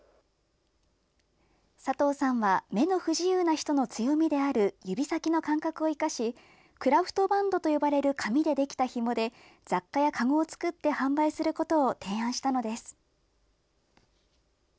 佐藤さんは、目の不自由な人の強みである指先の感覚を生かし、クラフトバンドと呼ばれる紙で出来たひもで、雑貨や籠を作って販売することを提案したのです。